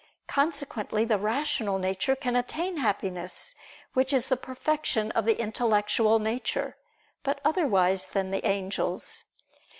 Consequently the rational nature can attain Happiness, which is the perfection of the intellectual nature: but otherwise than the angels.